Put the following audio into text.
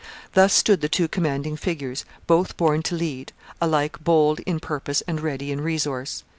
Thus stood the two commanding figures, both born to lead, alike bold in purpose and ready in resource.